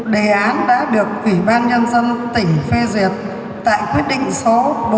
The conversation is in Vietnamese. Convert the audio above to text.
đề án đã được ủy ban nhân dân tỉnh phê duyệt tại quyết định số bốn trăm ba mươi năm